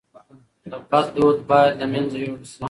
د بد دود باید له منځه یووړل سي.